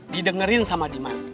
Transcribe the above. didengerin sama diman